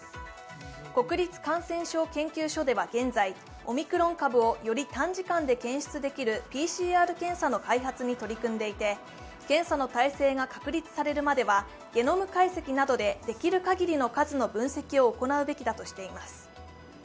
国立感染症研究所では現在、オミクロン株をより短時間で検出できるＰＣＲ検査の開発に取り組んでいて検査の体制が確立されるまではゲノム解析などでできる限りの数の分析を行うべきだとしています。